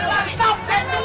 masak orang aja